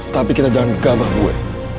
tapi kita jangan gegabah gue